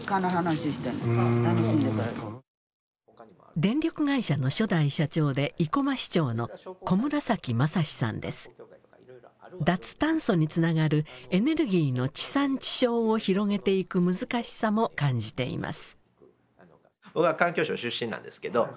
電力会社の初代社長で脱炭素につながるエネルギーの地産地消を広げていく難しさも感じています。